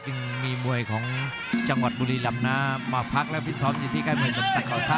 จึงมีมวยของจังหวัดบุรีลำนะมาพักแล้วพิสอบอยู่ที่ใกล้มวยสมศักดิ์กอร์ซ่านครับ